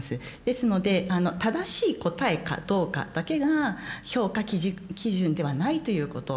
ですので正しい答えかどうかだけが評価基準ではないということ